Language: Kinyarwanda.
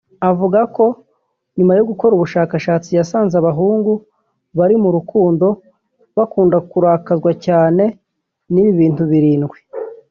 avuga ko nyuma yo gukora ubushakashatsi yasanze abahungu bari mu rukundo bakunda kurakazwa cyane n’ibi bintu birindwi